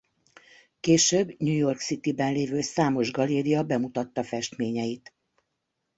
Később New York City-ben lévő számos galéria bemutatta festményeit.